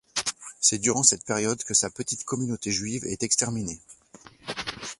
C'est durant cette période que sa petite communauté juive est exterminée.